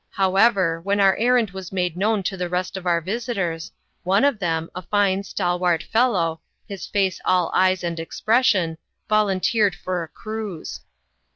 However, when our errand was made known to the rest of our visitors, one of them, a fine, stalwart fellow, his face all eyes and expression, volunteered for a cruise.